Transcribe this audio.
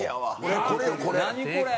これよこれ。